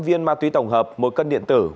sáu trăm linh viên ma túy tổng hợp một cân điện tử